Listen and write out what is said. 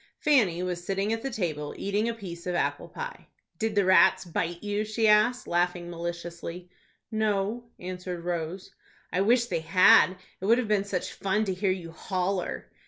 Fanny was sitting at the table, eating a piece of apple pie. "Did the rats bite you?" she asked, laughing maliciously. "No," answered Rose. "I wish they had. It would have been such fun to hear you holler."